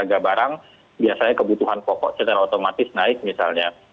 harga barang biasanya kebutuhan pokok secara otomatis naik misalnya